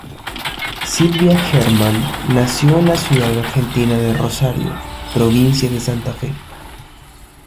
Silvia Hermann nació en la ciudad argentina de Rosario, provincia de Santa Fe.